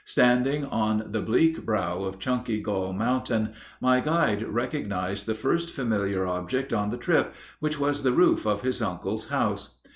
Standing on the bleak brow of "Chunky Gall" Mountain, my guide recognized the first familiar object on the trip, which was the roof of his uncle's house.